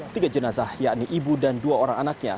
tiga jenazah yakni ibu dan dua orang anaknya